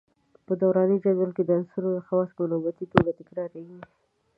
په دوراني جدول کې د عنصرونو خواص په نوبتي توګه تکراریږي.